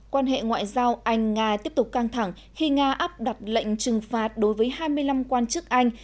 quan hệ ngoại giao anh nga tiếp tục căng thẳng khi nga áp đặt lệnh trừng phạt đối với hai mươi năm quan chức anh